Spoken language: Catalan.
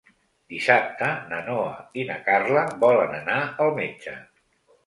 Dissabte na Noa i na Carla volen anar al metge.